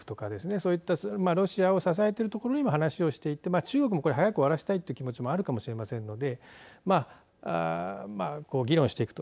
そういったロシアを支えている所にも話をしていって中国もこれ早く終わらせたい気持ちもあるかもしれませんので議論していくと。